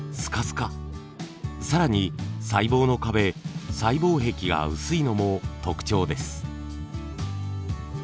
更に細胞の壁細胞壁が薄いのも特徴です。